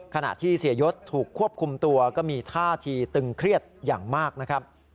ขณะที่เสียยศถูกควบคุมตัวก็มีท่าทีตึงเครียดอย่างมากนะครับ